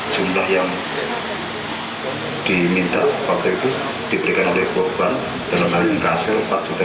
jumlah yang diminta waktu itu diberikan oleh korban dalam harga kasir empat delapan juta